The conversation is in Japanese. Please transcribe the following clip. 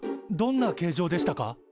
どんな形状でしたか？